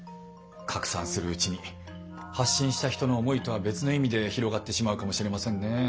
拡散するうちに発信した人の思いとは別の意味で広がってしまうかもしれませんね。